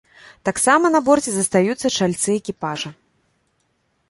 Таксама на борце застаюцца чальцы экіпажа.